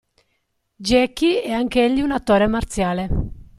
Jacky è anch'egli un attore marziale.